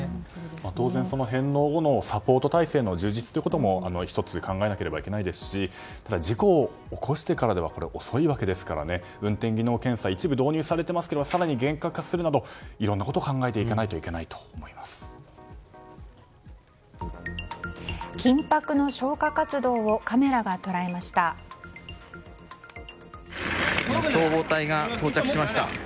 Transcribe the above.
当然、返納後のサポート体制の充実というのも１つ考えなければならないですしただ、事故を起こしてからでは遅いわけですから運転技能検査も一部導入されていますが更に厳格化するなどいろんなことを考えていかないと緊迫の消火活動を消防隊が到着しました。